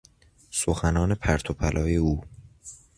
سخنان پرت و پلای او